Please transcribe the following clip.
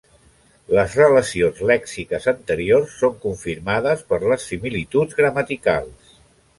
Les relacions lèxiques anteriors són confirmades per les similituds gramaticals.